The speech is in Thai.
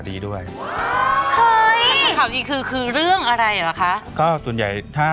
แม่บ้านประจันบัน